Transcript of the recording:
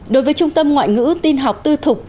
đối với trung tâm ngoại ngữ tin học tư thục